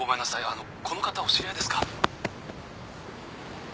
「あのこの方お知り合いですか？」